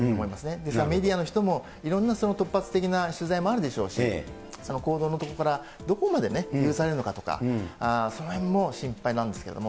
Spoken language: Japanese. ですからメディアの人も、いろんな突発的な取材もあるでしょうし、行動のところから、どこまで許されるのかとか、そのへんも心配なんですけども。